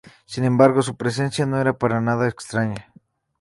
Sin embargo, su presencia no era para nada extraña.